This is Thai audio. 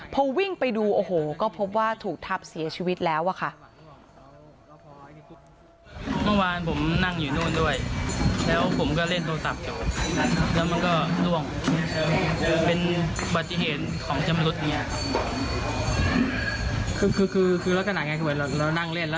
พอวิ่งไปดูโอ้โหก็พบว่าถูกทับเสียชีวิตแล้วอะค่ะ